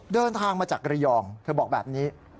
เดินทางมาจากระยองเธอบอกแบบนี้